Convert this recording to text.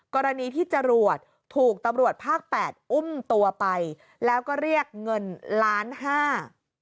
กรณีที่จรวดถูกตำรวจภาคแปดอุ้มตัวไปแล้วก็เรียกเงินล้านห้า